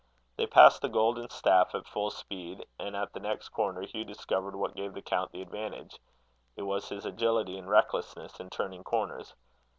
They passed the Golden Staff at full speed, and at the next corner Hugh discovered what gave the count the advantage: it was his agility and recklessness in turning corners.